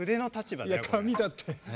いやかみだって。